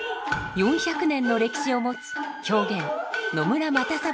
４００年の歴史を持つ狂言野村又三郎